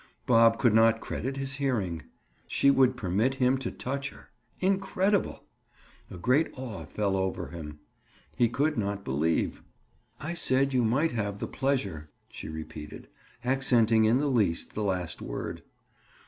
Bob could not credit his hearing. She would permit him to touch her. Incredible! A great awe fell over him. He could not believe. "I said you might have the pleasure," she repeated, accenting in the least the last word.